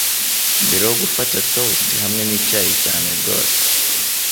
Mbere yo gufata toast hamwe nicyayi cyane rwose